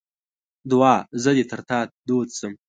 دوعا: زه دې تر تا دود سم.